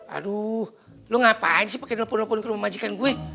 aduh lo ngapain sih pakai telepon telepon ke rumah majikan gue